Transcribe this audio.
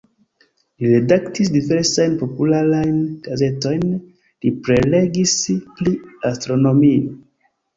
Li redaktis diversajn popularajn gazetojn, li prelegis pri astronomio.